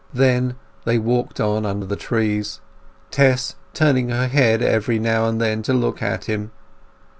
They then walked on under the trees, Tess turning her head every now and then to look at him.